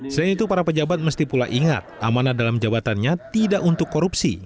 selain itu para pejabat mesti pula ingat amanah dalam jabatannya tidak untuk korupsi